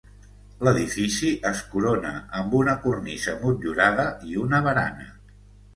L'edifici es corona amb una cornisa motllurada i una barana.